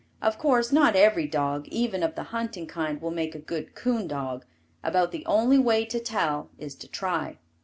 Of course, not every dog, even of the hunting kind, will make a good coon dog; about the only way to tell is to try.